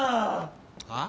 はあ？